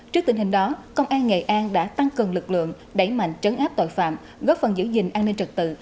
trước tình hình đó công an nghệ an đã tăng cường lực lượng đẩy mạnh trấn áp tội phạm góp phần giữ gìn an ninh trật tự